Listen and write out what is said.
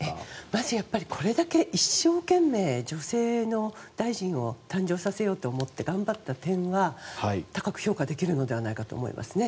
まずこれだけ一生懸命女性の大臣を誕生させようと思って頑張った点は高く評価できるのではないかと思いますね。